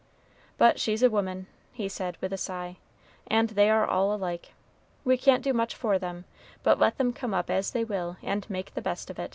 But she's a woman," he said, with a sigh, "and they are all alike. We can't do much for them, but let them come up as they will and make the best of it."